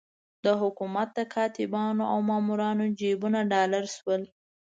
د حکومت د کاتبانو او مامورانو جېبونه ډالري شول.